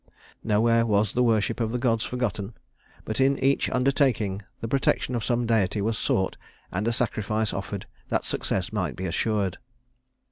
Nowhere was the worship of the gods forgotten, but in each undertaking the protection of some deity was sought and a sacrifice offered that success might be assured.